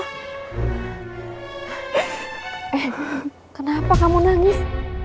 eh kenapa kamu nangis